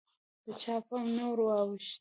د چا پام نه وراوښت